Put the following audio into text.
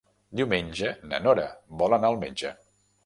Diumenge na Nora vol anar al metge.